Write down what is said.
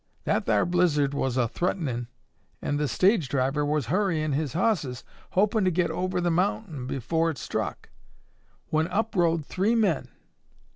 That thar blizzard was a threatenin' an' the stage driver was hurryin' his hosses, hopin' to get over the mountain afore it struck, when up rode three men.